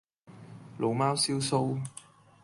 老貓燒鬚